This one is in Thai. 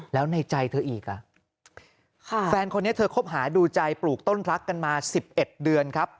แล้วในใจเธออีกอ่ะแฟนคนนี้เธอคบหาดูใจปลูกต้นรักกันมา๑๑เดือนครับ